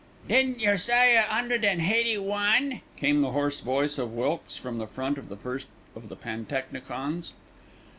"Didn't yer say a 'undred an' heighty one?" came the hoarse voice of Wilkes from the front of the first of the pantechnicons.